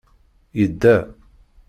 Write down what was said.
Yedda.